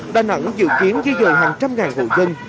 đà nẵng dự kiến di dời hàng trăm ngàn hộ dân